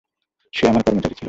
সে আমার কর্মচারী ছিল।